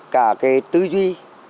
cả cái tư duy